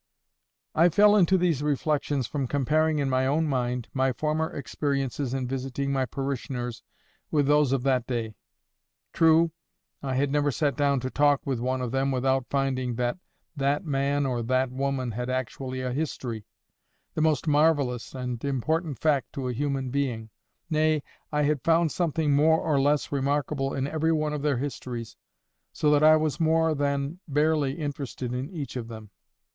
I fell into these reflections from comparing in my own mind my former experiences in visiting my parishioners with those of that day. True, I had never sat down to talk with one of them without finding that that man or that woman had actually a HISTORY, the most marvellous and important fact to a human being; nay, I had found something more or less remarkable in every one of their histories, so that I was more than barely interested in each of them.